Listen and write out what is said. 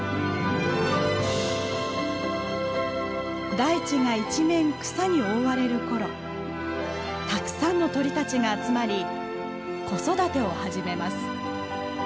台地が一面草に覆われる頃たくさんの鳥たちが集まり子育てを始めます。